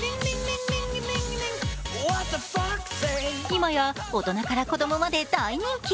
今や大人から子供まで大人気。